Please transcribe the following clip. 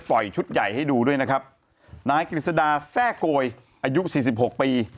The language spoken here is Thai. ปล่อยชุดใหญ่ให้ดูด้วยนะครับนายกฤษดาแซ่โกยอายุ๔๖ปี